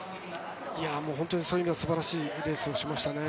そういう意味では素晴らしいレースをしましたね。